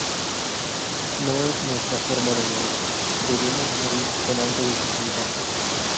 No es nuestra forma de morir, debemos morir con algo de dignidad".